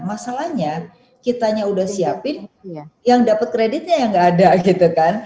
masalahnya kitanya udah siapin yang dapat kreditnya yang nggak ada gitu kan